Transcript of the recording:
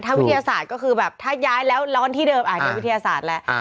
วิทยาศาสตร์ก็คือแบบถ้าย้ายแล้วร้อนที่เดิมอาจจะวิทยาศาสตร์แล้ว